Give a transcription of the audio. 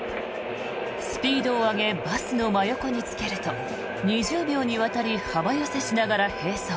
スピードを上げバスの真横につけると２０秒にわたり幅寄せしながら並走。